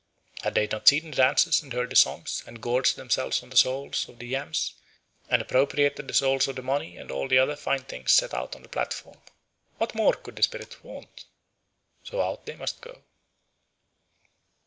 Had they not seen the dances, and heard the songs, and gorged themselves on the souls of the yams, and appropriated the souls of the money and all the other fine things set out on the platform? What more could the spirits want? So out they must go.